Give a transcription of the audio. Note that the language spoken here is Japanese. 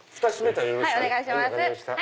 はいお願いします。